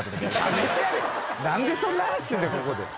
何でそんな話すんだよ